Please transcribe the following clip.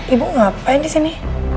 ibu ngapain disini